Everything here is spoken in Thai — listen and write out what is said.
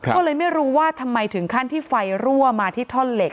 ก็เลยไม่รู้ว่าทำไมถึงขั้นที่ไฟรั่วมาที่ท่อนเหล็ก